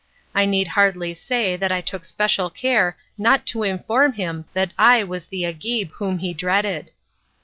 I need hardly say that I took special care not to inform him that I was the Agib whom he dreaded.